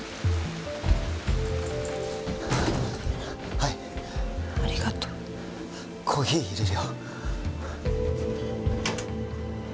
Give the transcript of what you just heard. はいありがとうコーヒー入れるよ